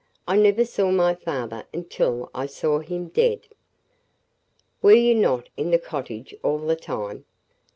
"I never saw my father until I saw him dead." "Were you not in the cottage all the time?"